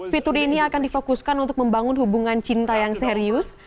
fitur ini akan difokuskan untuk membangun hubungan cinta yang serius